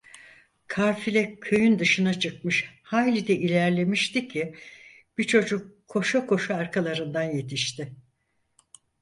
Kafile köyün dışına çıkmış, hayli de ilerlemişti ki, bir çocuk koşa koşa arkalarından yetişti.